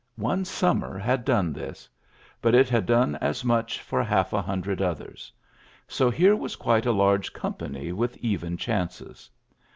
One summer had done this; but it had done as much for half a hundred others. So here was quite a large company with even chances.